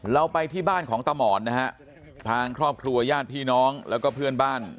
เราไปที่บ้านของตาหมอนนะฮะทางครอบครัวญาติพี่น้องแล้วก็เพื่อนบ้าน